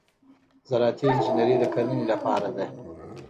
زراعتي انجنیری د کرنې لپاره ده.